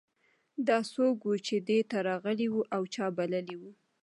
دا څوک و چې دې ته راغلی و او چا بللی و